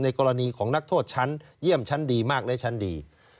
กรณีของนักโทษชั้นเยี่ยมชั้นดีมากและชั้นดี